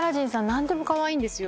何でもかわいいんですよ